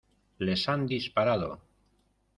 ¡ les han disparado!